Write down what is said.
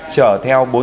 chở theo bốn dụng